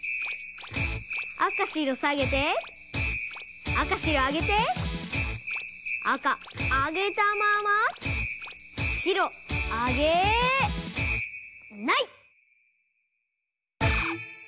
赤白さげて赤白あげて赤あげたまま白あげない！